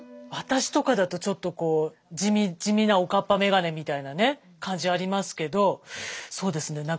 私とかだとちょっとこう地味なおかっぱメガネみたいなね感じありますけどそうですね